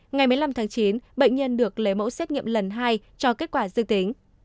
ngày một mươi năm tháng chín bệnh nhân được lấy mẫu xét nghiệm lần hai cho kết quả dư tính